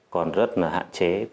còn rất là hạn chế